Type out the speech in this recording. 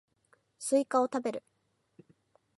スイカを食べる